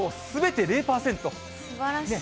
すばらしい。